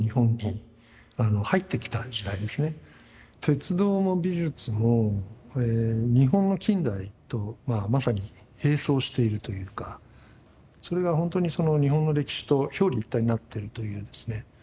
鉄道も美術も日本の近代とまさに並走しているというかそれが本当に日本の歴史と表裏一体になってるというですね